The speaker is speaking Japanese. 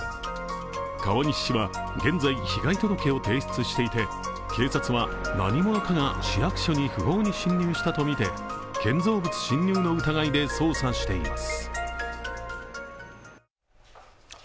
川西市は現在、被害届を提出していて警察は、何者かが市役所に不法に侵入したとして建造物侵入の疑いで捜査しています。